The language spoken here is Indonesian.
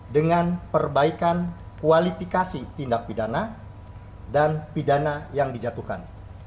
dengan perbaikan kualifikasi tindak pidana dan pidana yang dijatuhkan